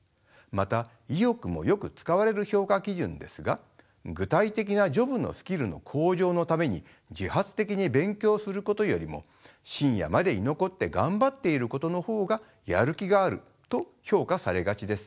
また「意欲」もよく使われる評価基準ですが具体的なジョブのスキルの向上のために自発的に勉強することよりも深夜まで居残って頑張っていることのほうがやる気があると評価されがちです。